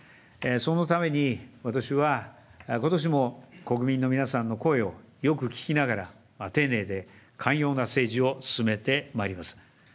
そのために私は、ことしも国民の皆さんの声をよく聞きながら、丁寧で寛容な政治を進めてまいります。